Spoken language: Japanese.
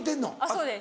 そうです。